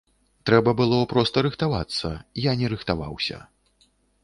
Трэба было проста рыхтавацца, я не рыхтаваўся.